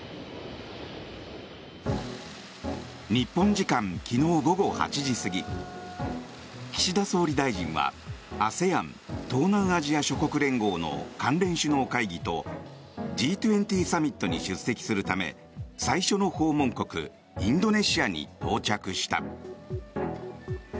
日本時間昨日午後８時過ぎ岸田総理大臣はＡＳＥＡＮ・東南アジア諸国連合の関連首脳会議とＧ２０サミットに出席するため最初の訪問国、インドネシアに到着した。